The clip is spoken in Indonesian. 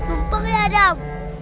tumpeng ya adam